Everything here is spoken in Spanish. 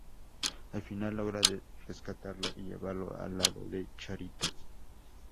Al final, logra rescatarlo y llevarlo al lado de Charito.